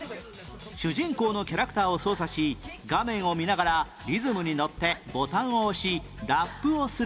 主人公のキャラクターを操作し画面を見ながらリズムにのってボタンを押しラップをする